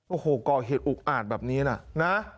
โอ้โหก่อเหตุอุกอาจแบบนี้นะนะ